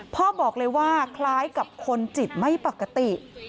พ่อบอกเลยว่าคล้ายกับคนจิตไม่ปกติ